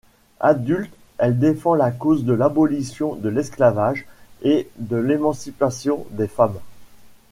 Adulte, elle défend la cause de l'abolition de l'esclavage et de l'émancipation des femmes.